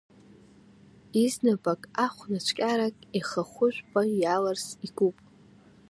Изнапык ахәнацәкьарак ихахәы жәпа иаларԥс икуп.